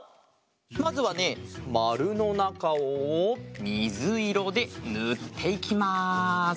まずはねまるのなかをみずいろでぬっていきます。